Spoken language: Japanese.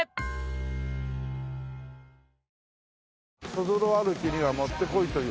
そぞろ歩きにはもってこいという。